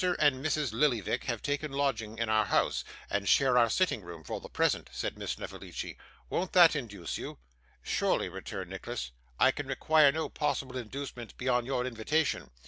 and Mrs. Lillyvick have taken lodgings in our house, and share our sitting room for the present,' said Miss Snevellicci. 'Won't that induce you?' 'Surely,' returned Nicholas, 'I can require no possible inducement beyond your invitation.